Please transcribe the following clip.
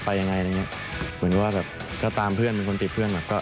ไปยังไงอะไรอย่างนี้เหมือนก็ว่าแบบก็ตามเพื่อนเป็นคนติดเพื่อน